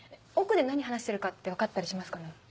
奥で何話してるかって分かったりしますかね？